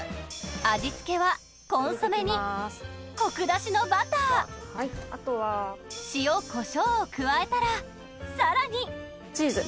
味付けはコンソメにコク出しのバター塩コショウを加えたらさらにチーズ。